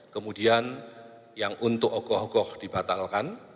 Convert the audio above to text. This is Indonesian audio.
kemudian yang untuk ogoh ogoh dibatalkan